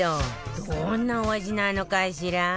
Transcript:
どんなお味なのかしら？